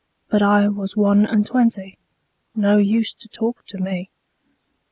'But I was one and twenty, No use to talk to me.